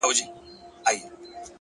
رشتيا ده دا چي ليونى دى .!